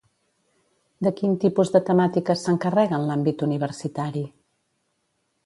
De quin tipus de temàtiques s'encarrega en l'àmbit universitari?